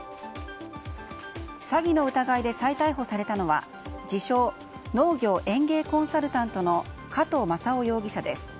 詐欺の疑いで再逮捕されたのは自称農業園芸コンサルタントの加藤正夫容疑者です。